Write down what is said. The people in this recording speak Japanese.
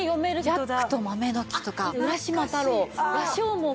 『ジャックと豆の木』とか『浦島太郎』『羅生門』。